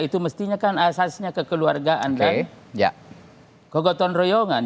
itu mestinya kan asasnya kekeluargaan dan kegotong royongan